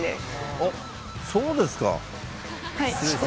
あっ、そうですか。